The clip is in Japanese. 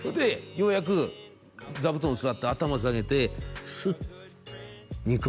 ようやく座布団座って頭下げてスッニコ